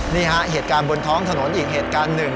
นี่ฮะเหตุการณ์บนท้องถนนอีกเหตุการณ์หนึ่ง